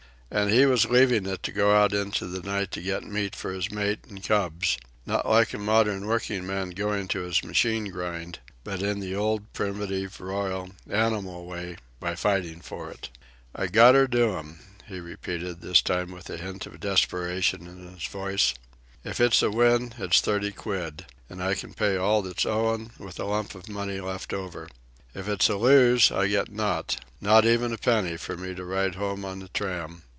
And he was leaving it to go out into the night to get meat for his mate and cubs not like a modern working man going to his machine grind, but in the old, primitive, royal, animal way, by fighting for it. "I gotter do 'im," he repeated, this time a hint of desperation in his voice. "If it's a win, it's thirty quid an' I can pay all that's owin', with a lump o' money left over. If it's a lose, I get naught not even a penny for me to ride home on the tram.